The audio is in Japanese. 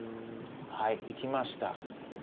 はい行きました。